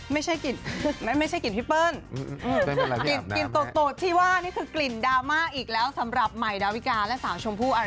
ไม่ใช่กลิ่นไม่ใช่กลิ่นพี่เปิ้ลกลิ่นโตที่ว่านี่คือกลิ่นดราม่าอีกแล้วสำหรับใหม่ดาวิกาและสาวชมพู่อะไร